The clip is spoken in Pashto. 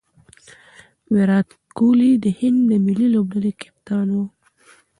ویرات کهولي د هند د ملي لوبډلي کپتان وو.